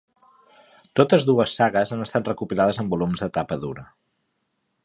Totes dues sagues han estat recopilades en volums de tapa dura.